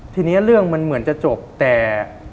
ทีนี้เรื่องมันเหมือนจะจบแต่